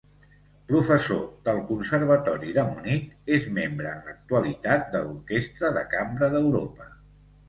Professor del Conservatori de Munic, és membre en l'actualitat de l'Orquestra de Cambra d'Europa.